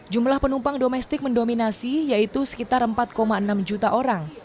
jumlah penumpang domestik mendominasi yaitu sekitar empat enam juta orang